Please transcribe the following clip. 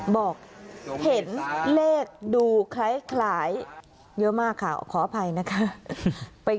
บอกเห็นเลขดูคล้ายเยอะมากค่ะขออภัยนะคะ